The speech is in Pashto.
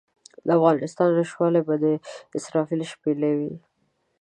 د افغانستان نشتوالی به د اسرافیل شپېلۍ وي.